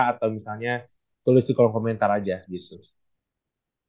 atau misalnya tulis di kolom komentar aja gitu